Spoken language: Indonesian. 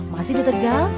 masih di tegal